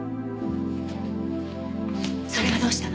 それがどうしたの？